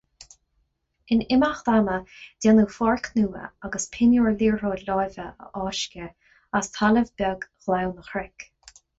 In imeacht ama déanadh pháirc nua agus pinniúr liathróid láimhe a fháisceadh as talamh bog Ghleann an Chnoic.